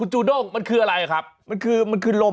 โหหวงถุง